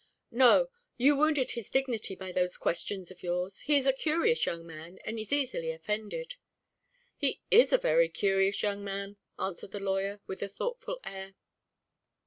"No. You wounded his dignity by those questions of yours. He is a curious young man, and is easily offended." "He is a very curious young man," answered the lawyer, with a thoughtful air.